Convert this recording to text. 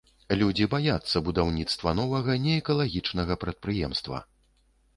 Людзі баяцца будаўніцтва новага не экалагічнага прадпрыемства.